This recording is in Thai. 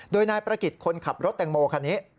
โดยนายประกิจคนขับรถแตงโมคันนี้